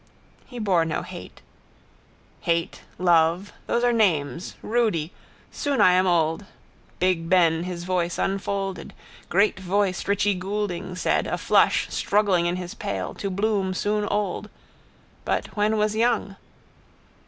He bore no hate. Hate. Love. Those are names. Rudy. Soon I am old. Big Ben his voice unfolded. Great voice Richie Goulding said, a flush struggling in his pale, to Bloom soon old. But when was young?